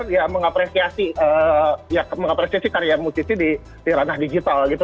dia mengapresiasi karya musisi di ranah digital gitu